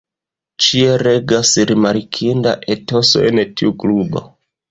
Ĉie regas rimarkinda etoso en tiu klubo.